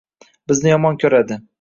Bizni yomon ko`radi